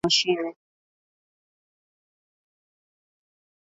Osha viazi kata vipande vyembamba kwa kisu au mashine